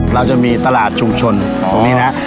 เราจะมีตลาดชุมชนตรงนี้นะ